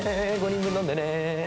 ５人分飲んでね。